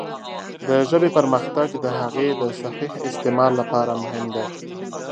د ژبې پرمختګ د هغې د صحیح استعمال لپاره مهم دی.